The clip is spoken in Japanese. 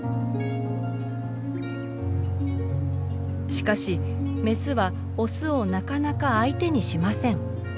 しかしメスはオスをなかなか相手にしません。